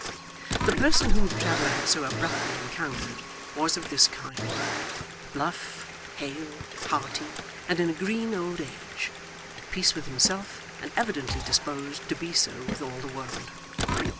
The person whom the traveller had so abruptly encountered was of this kind: bluff, hale, hearty, and in a green old age: at peace with himself, and evidently disposed to be so with all the world.